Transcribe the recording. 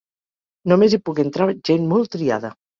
Només hi pogué entrar gent molt triada.